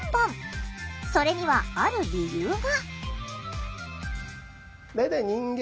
それにはある理由が。